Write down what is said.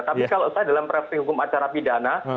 tapi kalau saya dalam perspek hukum acara pidana